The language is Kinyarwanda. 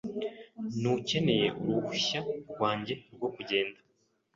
Ntukeneye uruhushya rwanjye rwo kugenda.